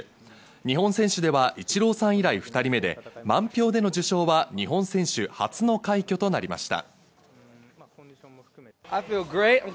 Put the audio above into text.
日本選手ではイチローさん以来２人目で、満票での受賞は日本選手初の快挙となりました。